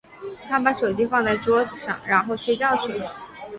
她把手机放在桌子上，然后睡觉去了。